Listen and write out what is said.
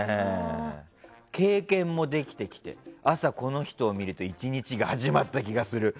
経験もできてきて朝、この人を見ると１日が始まった気がする。